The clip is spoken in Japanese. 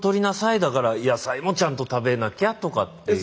だから野菜もちゃんと食べなきゃとかっていう。